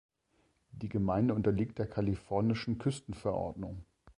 Die Gemeinde unterliegt der kalifornischen Küstenverordnung.